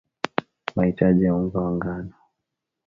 mahitaji ya unga wa ngano